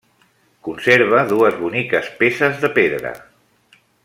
Conserva dues boniques peces de pedra.